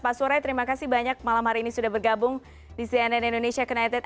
pak surai terima kasih banyak malam hari ini sudah bergabung di cnn indonesia connected